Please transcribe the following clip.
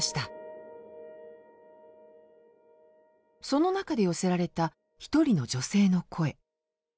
その中で寄せられた一人の女性の声。